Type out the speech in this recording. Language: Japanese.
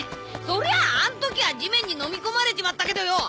そりゃああん時は地面に飲みこまれちまったけどよォ